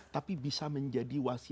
tapi bisa menjadi wasilah amal soleh